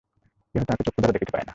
কেহ তাঁহাকে চক্ষুদ্বারা দেখিতে পায় না।